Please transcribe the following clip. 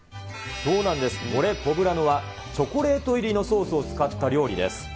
そうなんです、モレ・ポブラノは、チョコレート入りのソースを使った料理です。